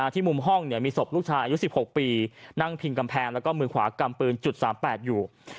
ที่มุมห้องมีศพลูกชายอายุ๑๖ปีนั่งพิงกำแพงแล้วก็มือขวากำปืนจุด๓๘อยู่